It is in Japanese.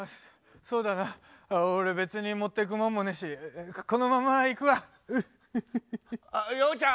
そうだな俺別に持ってくもんもねえしこのまま行くわおう。